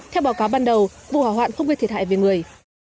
theo báo cáo ban đầu vụ hỏa hoạn không gây thiệt hại về người